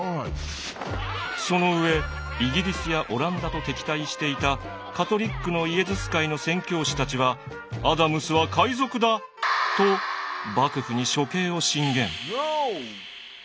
その上イギリスやオランダと敵対していたカトリックのイエズス会の宣教師たちは「アダムスは海賊だ！」と幕府に処刑を進言。